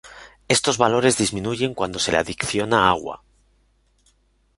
Estos valores disminuyen cuando se le adiciona agua.